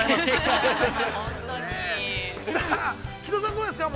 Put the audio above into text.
どうですか。